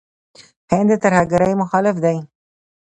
هند د ترهګرۍ مخالف دی.